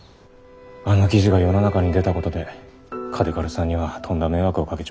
あの記事が世の中に出たことで嘉手刈さんにはとんだ迷惑をかけちまった。